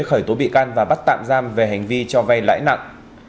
khởi tố bị can và bắt tạm giam về hành vi cho vay lãi nặng